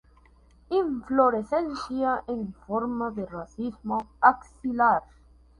Inflorescencia en forma de un racimo axilar.